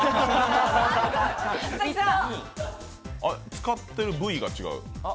使ってる部位が違う。